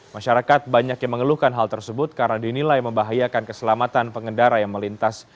masyarakat banyak yang mengeluhkan hal tersebut karena dinilai membahayakan keselamatan pengendara yang melintas